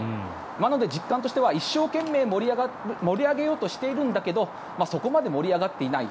なので実感としては一生懸命盛り上げようとしているんだけどそこまで盛り上がっていない